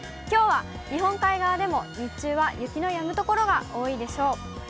きょうは日本海側でも日中は雪のやむ所が多いでしょう。